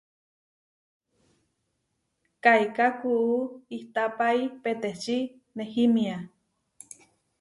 Kaiká kuú ihtapái peteči nehímia.